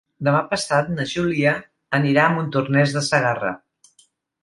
Demà passat na Júlia anirà a Montornès de Segarra.